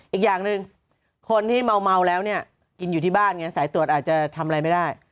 อีกอย่างหนึ่งคนที่เมาแล้วเนี่ยกินอยู่ที่บ้านไงสายตรวจอาจจะทำอะไรไม่ได้